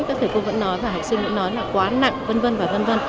các thầy cô vẫn nói và học sinh vẫn nói là quá nặng v v